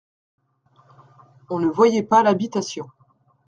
On ne voyait pas l'habitation.